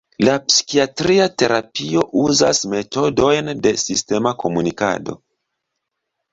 La psikiatria terapio uzas metodojn de sistema komunikado.